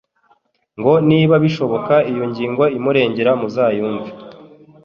ngo niba bishoboka iyo ngingo imurengera muzayumve